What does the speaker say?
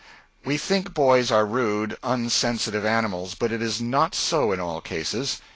We think boys are rude, unsensitive animals, but it is not so in all cases.